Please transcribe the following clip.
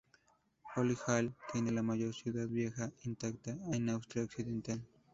Hoy Hall tiene la mayor ciudad vieja intacta en Austria Occidental.